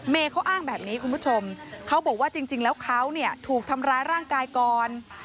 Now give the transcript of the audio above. เขาอ้างแบบนี้คุณผู้ชมเขาบอกว่าจริงแล้วเขาเนี่ยถูกทำร้ายร่างกายก่อน